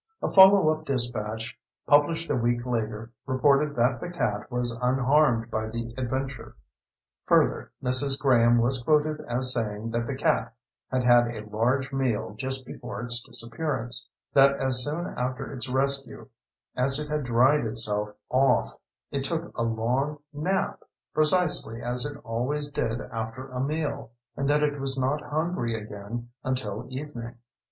A follow up dispatch, published a week later, reported that the cat was unharmed by the adventure. Further, Mrs. Graham was quoted as saying that the cat had had a large meal just before its disappearance; that as soon after its rescue as it had dried itself off, it took a long nap, precisely as it always did after a meal; and that it was not hungry again until evening.